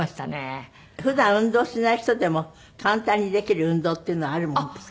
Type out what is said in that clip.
普段運動しない人でも簡単にできる運動っていうのはあるもんですか？